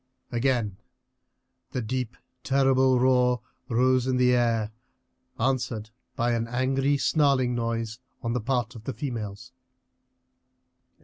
Again the deep terrible roar rose in the air, answered by an angry snarling noise on the part of the females.